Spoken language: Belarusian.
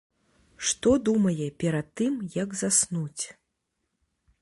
Што думае перад тым як заснуць.